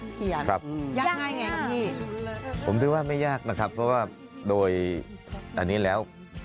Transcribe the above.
สะเทียนครับยากง่ายไงกับพี่ผมคิดว่าไม่ยากนะครับเพราะว่าโดยอันนี้แล้ว